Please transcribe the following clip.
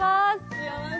幸せ。